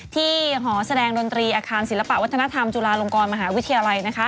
หอแสดงดนตรีอาคารศิลปะวัฒนธรรมจุฬาลงกรมหาวิทยาลัย